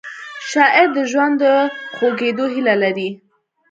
شاعر د ژوند د خوږېدو هیله لري